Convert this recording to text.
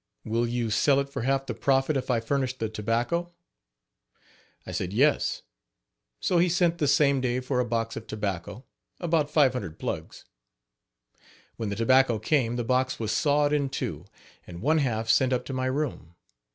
"Will you sell it for half the profit if I furnish the tobacco?" I said "yes." So he sent the same day for a box of tobacco about five hundred plugs. When the tobacco came the box was sawed in two and one half sent up to my room.